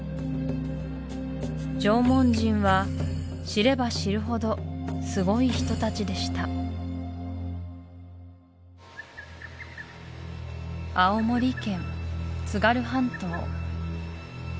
縄文人は知れば知るほどすごい人たちでした青森県津軽半島